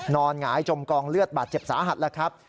หงายจมกองเลือดบาดเจ็บสาหัสแล้วครับ